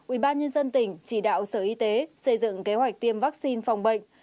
ubnd tỉnh chỉ đạo sở y tế xây dựng kế hoạch tiêm vaccine phòng bệnh